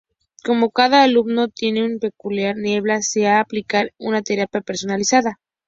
Como cada alumno tiene su peculiar niebla, se ha de aplicar una terapia personalizada.